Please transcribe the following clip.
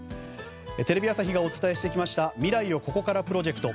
テレビ朝日がお伝えしてきました未来をここからプロジェクト。